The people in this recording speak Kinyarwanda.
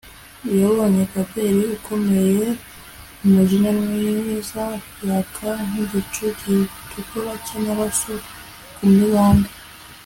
Yabonye Babeli ukomeye umujinya mwiza yaka nkigicu gitukura cyamaraso kumibande